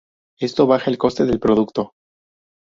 Esto baja el coste del producto.